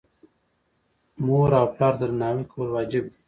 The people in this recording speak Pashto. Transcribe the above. مور او پلار ته درناوی کول واجب دي.